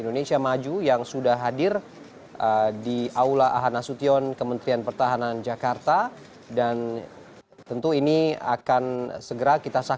indonesia raya berdeka berdeka hiduplah indonesia raya